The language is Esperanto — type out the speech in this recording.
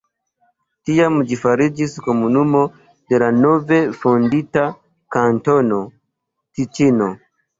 Tiam ĝi fariĝis komunumo de la nove fondita Kantono Tiĉino.